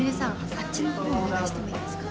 あっちの方お願いしてもいいですか？